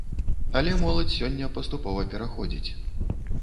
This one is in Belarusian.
Але моладзь сёння паступова пераходзіць.